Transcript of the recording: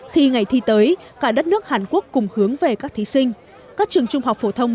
khi ngày thi tới cả đất nước hàn quốc cùng hướng về các thí sinh các trường trung học phổ thông